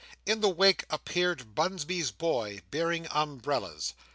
In the wake, appeared Bunsby's boy, bearing umbrellas.